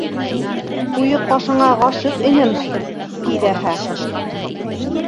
Ҡуйы ҡашыңа ғашиҡ инем, ти ҙәһә.